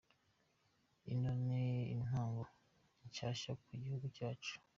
"Ino ni intango nshasha ku gihugu cacu.